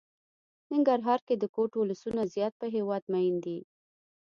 ننګرهار کې د کوټ ولسونه زيات په هېواد ميئن دي.